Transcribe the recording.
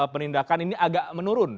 penindakan ini agak menurun